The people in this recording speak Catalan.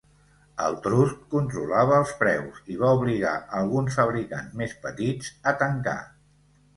El trust controlava els preus i va obligar alguns fabricants més petits a tancar.